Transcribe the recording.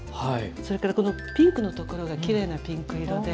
それからこのピンクのところがきれいなピンク色で。